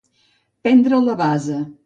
Prendre la basa.